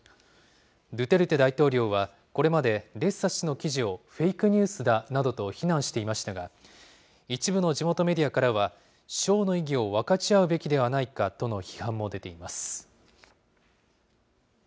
ドゥテルテ大統領は、これまでレッサ氏の記事を、フェイクニュースだなどと非難していましたが、一部の地元メディアからは、賞の意義を分かち合うべきではないかとの批判も出ています。